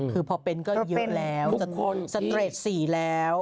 คือพอเป็นก็เยอะแล้วสเตรด๔แล้ว